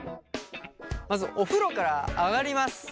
まずお風呂から上がります。